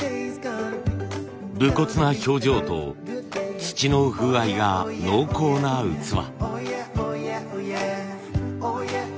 武骨な表情と土の風合いが濃厚な器。